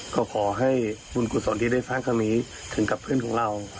ก็ขอให้บุญกุศลที่ได้สร้างครั้งนี้ถึงกับเพื่อนของเรา